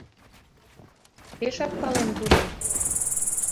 Пешак палем тудым...